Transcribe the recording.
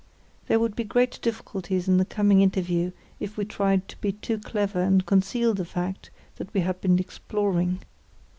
There would be great difficulties in the coming interview if we tried to be too clever and conceal the fact that we had been exploring.